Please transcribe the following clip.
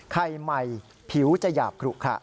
ไข่ใหม่ผิวจะหยาบกรุกคละ